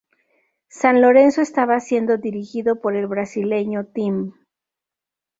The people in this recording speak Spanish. San Lorenzo estaba siendo dirigido por el brasileño Tim.